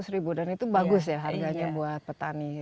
dua ratus ribu dan itu bagus ya harganya buat petani itu